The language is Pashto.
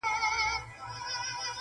زما هغه معاش هغه زړه کیسه ده,